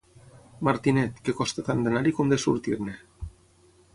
Martinet, que costa tant d'anar-hi com de sortir-ne.